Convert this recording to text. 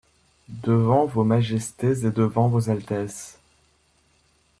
Devant vos majestés et devant vos altesses